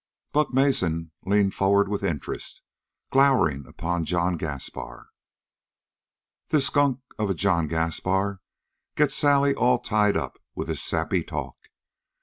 Buck Mason leaned forward with interest, glowering upon John Gaspar. "This skunk of a John Gaspar gets Sally all tied up with his sappy talk.